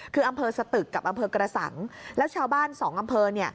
คืออำเภอสตึกกับอำเภอกระสังแล้วชาวบ้านสองอำเภอเนี่ย